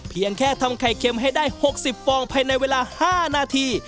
เพียงแค่ทำไข่เค็มให้ได้๖๐ฟองภายในเวลา๕นาที